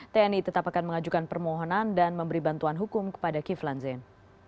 tni tetap akan mengajukan permohonan dan memberi bantuan hukum kepada kiflan zain